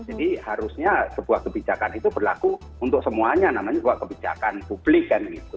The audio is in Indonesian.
jadi harusnya sebuah kebijakan itu berlaku untuk semuanya namanya sebuah kebijakan publik kan gitu